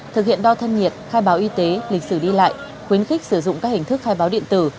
thực hiện đo thân nhiệt khai báo y tế lịch sử đi lại khuyến khích sử dụng các hình thức khai báo điện tử